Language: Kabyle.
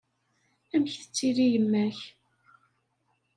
Amek tettili yemma-k?